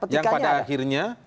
yang pada akhirnya